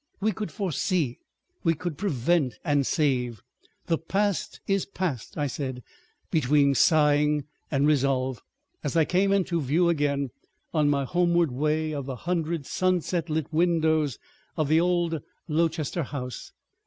We could foresee, we could prevent and save. "The past is past," I said, between sighing and resolve, as I came into view again on my homeward way of the hundred sunset lit windows of old Lowchester House.